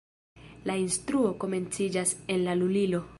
La instruo komenciĝas en la lulilo.